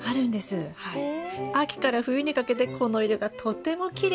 秋から冬にかけてこの色がとてもきれいに出るんですよ。